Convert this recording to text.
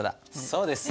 そうです。